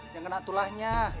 yang kena tulangnya